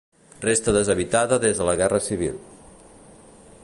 Resta deshabitada des de la Guerra Civil.